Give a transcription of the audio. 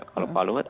kalau pak luhut